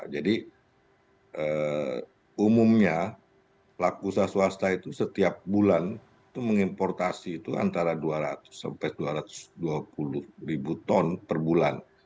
jadi umumnya pelaku usaha swasta itu setiap bulan mengimportasi itu antara dua ratus sampai dua ratus dua puluh ton per bulan